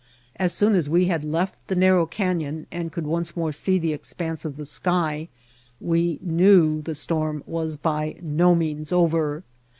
As soon as we had left the narrow canyon and could once more see the expanse of the sky, we knew that the storm was by no means over.